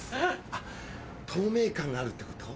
あっ透明感があるってこと？